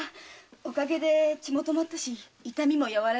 お陰で血も止まったし痛みも和らいできた。